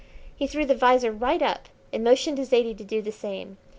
He threw the visor right up and motioned to Zaidie to do the same.